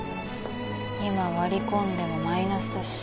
今割り込んでもマイナスだし。